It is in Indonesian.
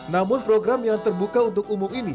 namun program yang terbuka untuk umum ini